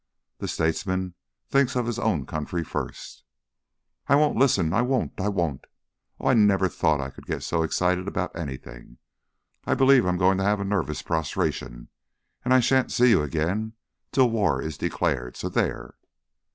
The statesman thinks of his own country first " "I won't listen! I won't! I won't! Oh, I never thought I could get so excited about anything. I believe I'm going to have nervous prostration and I sha'n't see you again till war is declared. So there!"